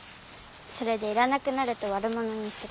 それでいらなくなるとわるものにする。